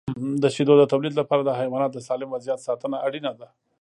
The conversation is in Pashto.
د شیدو د تولید لپاره د حیواناتو د سالم وضعیت ساتنه اړینه ده.